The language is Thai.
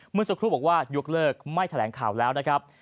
เมื่อสักครู่บอกว่ายกเลิกไม่แถลงข่าวแล้วนะครับ